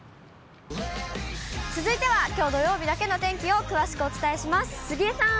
続いては、きょう土曜日だけの天気を詳しくお伝えします。